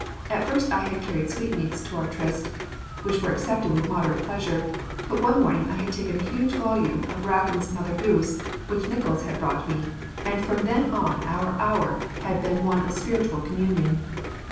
At first I had carried sweetmeats to our tryst, which were accepted with moderate pleasure, but one morning I had taken a huge volume of Rackham's Mother Goose which Nickols had brought me, and from then on our hour had been one of spiritual communion.